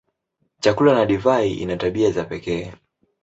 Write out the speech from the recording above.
Chakula na divai ina tabia za pekee.